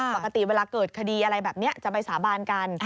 ปกติเวลาเกิดคดีอะไรแบบนี้จะไปสาบานกัน